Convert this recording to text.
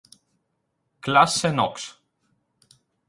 Classe Knox